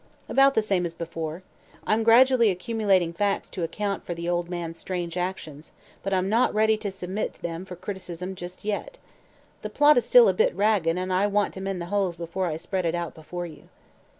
"About the same as before. I'm gradually accumulating facts to account for the old man's strange actions, but I'm not ready to submit them for criticism just yet. The plot is still a bit ragged and I want to mend the holes before I spread it out before you."